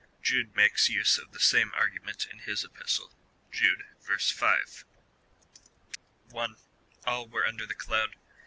Jude makes use of the same argument in liis Epistle. (Jude, verse 5.) 1. All were under the cloud.